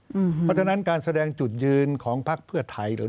อืมเพราะฉะนั้นการแสดงจุดยืนของภาคเพื่อไทยหรือ